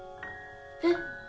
えっ。